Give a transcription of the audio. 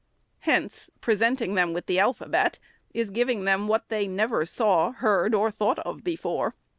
Hence, presenting them with the alphabet, is giving them what they never saw, heard, or thought of before.